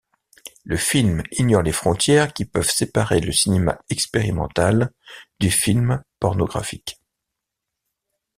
Le film ignore les frontières qui peuvent séparer le cinéma expérimental du film pornographique.